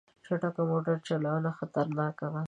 چټک موټر چلول خطرناک دي.